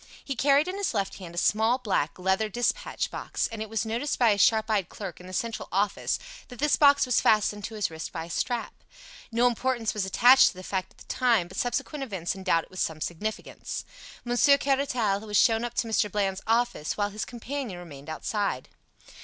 He carried in his left hand a small black, leather dispatch box, and it was noticed by a sharp eyed clerk in the Central office that this box was fastened to his wrist by a strap. No importance was attached to the fact at the time, but subsequent events endowed it with some significance. Monsieur Caratal was shown up to Mr. Bland's office, while his companion remained outside.